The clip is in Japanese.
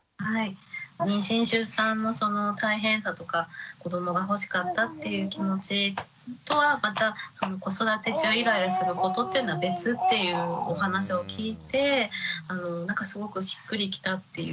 妊娠出産の大変さとか子どもが欲しかったっていう気持ちとはまた子育て中イライラすることっていうのは別っていうお話を聞いてなんかすごくしっくりきたっていうか。